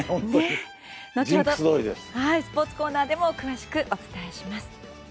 後ほど、スポーツコーナーでも詳しくお伝えします。